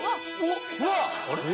うわっ！